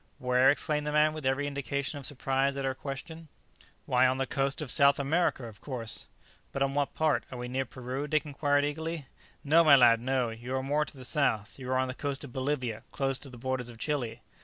"Where?" exclaimed the man, with every indication of surprise at her question; "why, on the coast of South America, of course!" "But on what part? are we near Peru?" Dick inquired eagerly. "No, my lad, no; you are more to the south; you are on the coast of Bolivia; close to the borders of Chili."